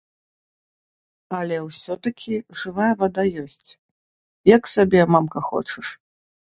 Але ўсё-такі жывая вада ёсць, як сабе, мамка, хочаш!